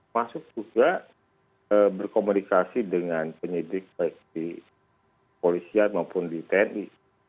masuk juga berkomunikasi dengan penyidik baik di polisian maupun di tni